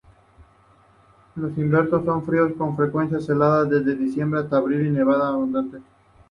Los inviernos son fríos, con frecuentes heladas desde diciembre hasta abril y nevadas abundantes.